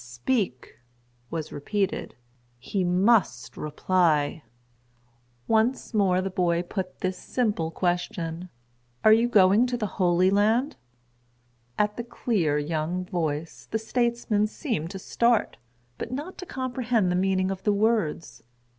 "Speak," was repeated, "he must reply."[Pg 25] Once more the boy put this simple question, "Are you going to the Holy Land?" At the clear, young voice, the statesman seemed to start, but not to comprehend the meaning of the words.